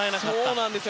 そうなんです。